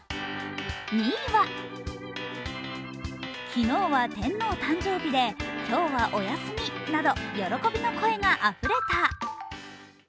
２位は、昨日は天皇誕生日で今日はお休みなど、喜びの声があふれた。